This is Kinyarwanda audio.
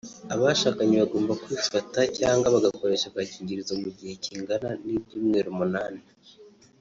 abashakanye bagomba kwifata cyangwa bagakoresha agakingirizo mu gihe kingana n’ibyumweru umunani